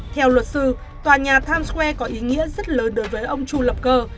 theo luật sư tòa nhà times square có ý nghĩa rất lớn đối với ông chu lập cơ